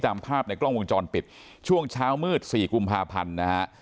ตามภาพในกล้องวงจรปิดช่วงเช้ามืดสี่กุมภาพันธ์นะฮะ